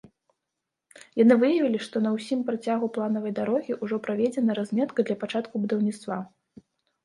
Яны выявілі, што на ўсім працягу планаванай дарогі ўжо праведзена разметка для пачатку будаўніцтва.